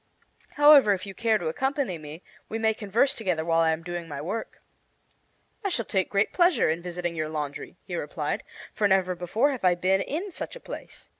However, if you care to accompany me, we may converse together while I am doing my work." "I shall take great pleasure in visiting your laundry," he replied, "for never before have I been in such a place.